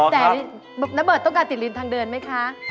แต่นเบิร์ตต้องการติดริมทางเดินไหมคะ